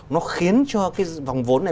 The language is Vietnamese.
nó khiến cho cái vòng vốn này